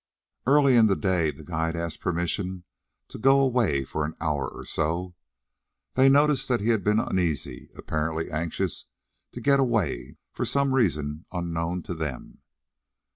Early in the day the guide asked permission to go away for an hour or so. They noticed that he had been uneasy, apparently anxious to get away for some reason unknown to them.